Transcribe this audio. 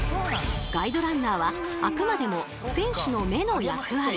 ガイドランナーはあくまでも選手の目の役割。